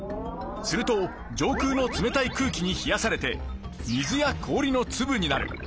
すると上空の冷たい空気に冷やされて水や氷のつぶになる。